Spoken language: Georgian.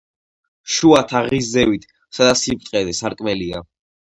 შუა თაღის ზევით, სადა სიბრტყეზე, სარკმელია.